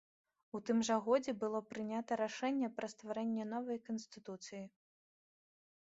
У тым жа годзе было прынята рашэнне пра стварэнне новай канстытуцыі.